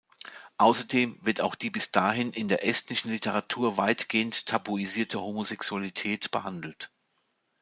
Außerdem wird auch die bis dahin in der estnischen Literatur weitgehend tabuisierte Homosexualität behandelt.